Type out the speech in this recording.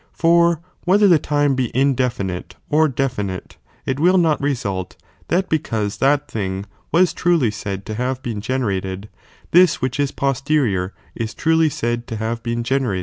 For whether the time be indefinite or house WM definite,^ it wiU not result that because that thing S Thills, ihe was truly said to have been generated, this which ixEcn till! is posterior is truly said to have been generated, Ex.